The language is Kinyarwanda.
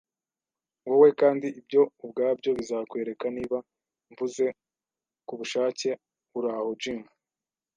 wowe, kandi ibyo ubwabyo bizakwereka niba mvuze ku bushake. Uraho, Jim. ”